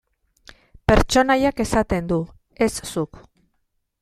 Pertsonaiak esaten du, ez zuk.